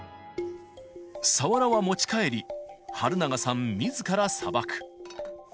サワラは持ち帰り、春永さんみずからさばく。